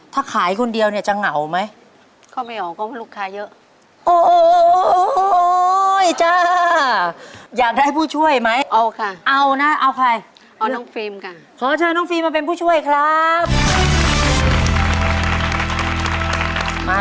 ถ้าขายคนเดียวเนี่ยจะเหงาไหม